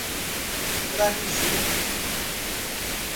Trabiju